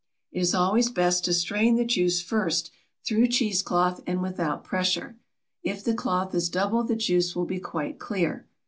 It is always best to strain the juice first through cheese cloth and without pressure. If the cloth is double the juice will be quite clear.